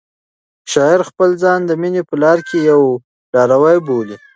شاعر خپل ځان د مینې په لاره کې یو لاروی بولي.